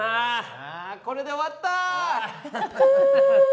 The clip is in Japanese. あこれで終わった！